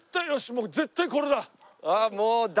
もう絶対これだ。